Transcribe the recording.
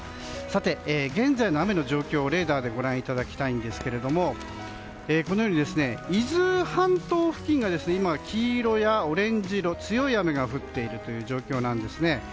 さて、現在の雨の状況をレーダーでご覧いただきたいんですがこのように伊豆半島付近が今、黄色やオレンジ色強い雨が降っている状況です。